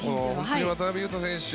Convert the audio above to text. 渡邊雄太選手